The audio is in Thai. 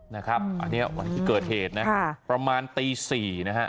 นะครับอันนี้วันที่เกิดเหตุนะประมาณตี๔นะฮะ